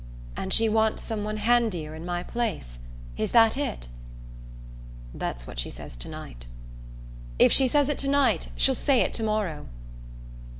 "And she wants somebody handier in my place? Is that it?" "That's what she says to night." "If she says it to night she'll say it to morrow."